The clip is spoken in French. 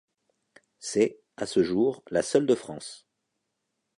C'est, à ce jour, la seule de France.